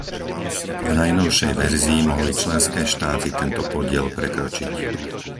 V najnovšej verzii mohli členské štáty tento podiel prekročiť.